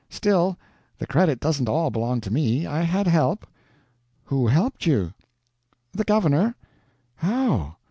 Still, the credit doesn't all belong to me; I had help." "Who helped you?" "The governor." "How?"